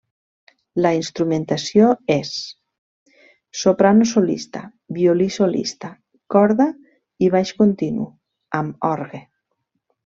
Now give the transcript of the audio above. La instrumentació és: soprano solista, violí solista, corda i baix continu, amb orgue.